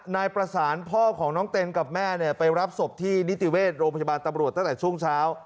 นายประสานพ่อของน้องเต้นกับแม่เนี่ยไปรับศพที่นิติเวชโรงพยาบาลตำรวจตั้งแต่ช่วงเช้า